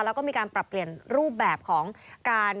แล้วก็มีการปรับเปลี่ยนรูปแบบของการ